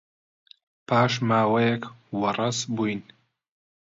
پاش ماوەیەک وەڕەس بووین.